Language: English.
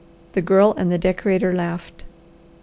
The Girl and the decorator laughed.